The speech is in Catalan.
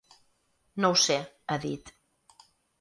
No ho sé, ha dit.